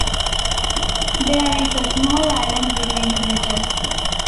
There is a small island between the bridges.